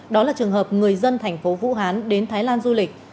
đó là trường hợp người dân thành phố vũ hán đến thái lan du lịch